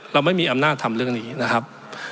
เราไม่มีอำนาจทำเรื่องนี้นะครับ